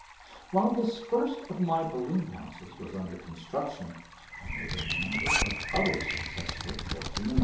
While this first of my balloon houses was under construction, I made a number of other successful trips in the "No.